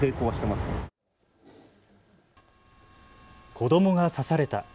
子どもが刺された。